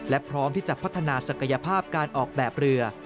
และพร้อมที่จะพัฒนาศักยภาพการออกแบบเรือ